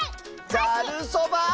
ざるそば？